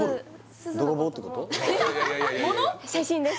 写真です